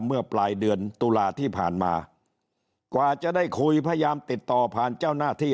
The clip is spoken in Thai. เมื่อปลายเดือนตุลาที่ผ่านมากว่าจะได้คุยพยายามติดต่อผ่านเจ้าหน้าที่